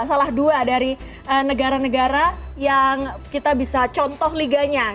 salah dua dari negara negara yang kita bisa contoh liganya